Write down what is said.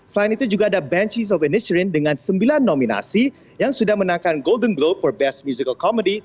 selain itu juga ada benchies of elysian dengan sembilan nominasi yang sudah menangkan golden globe for best musical comedy